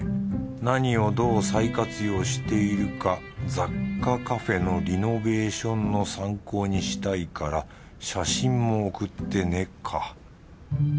何をどう再活用しているか雑貨カフェのリノベーションの参考にしたいから写真も送ってね」か。